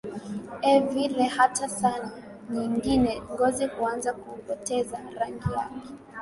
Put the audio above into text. e vile hata saa nyengine ngozi huanza kupoteza rangi yake